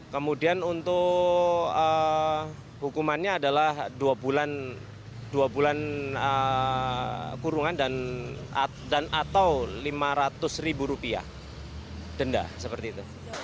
kemudian untuk hukumannya adalah dua bulan kurungan dan atau lima ratus ribu rupiah denda seperti itu